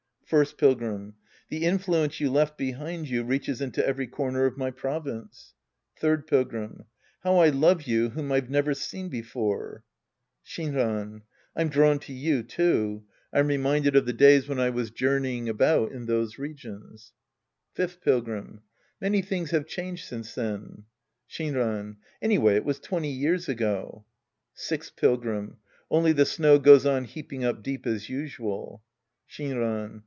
First Pilgrim. The influence you left behind you reaches into every corner of my province. Third Pilgrim. How I love you whom I've never seen before 1 Shinran. I'm drawn to you, too. I'm reminded Act II The Priest and His Disciples 85 of the days when I was journeying about in those regions. Fifth Pilgrim. Many things have changed since then. Shinran. Anyway it was twenty years ago. Sixth Pilgrim. Only the snow goes on heaping up deep as usual. Shinran.